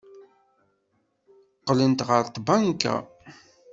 Qqlent ɣer tbanka.